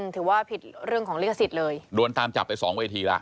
ถือว่าผิดเรื่องของลิขสิกเลยโดนตามจับแต่๒เวทีละ